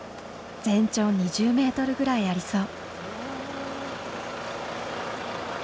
全長２０メートルぐらいありそう。